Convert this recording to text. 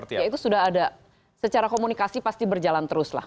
ya itu sudah ada secara komunikasi pasti berjalan terus lah